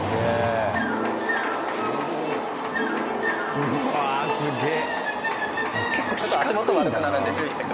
うわあすげえ！